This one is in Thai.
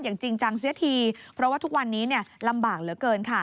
จริงจังเสียทีเพราะว่าทุกวันนี้ลำบากเหลือเกินค่ะ